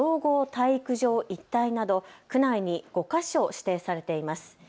区立総合体育場一帯など区内に５か所指定されています。